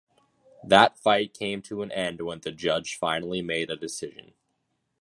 That fight came to an end when the judge finally made a decision.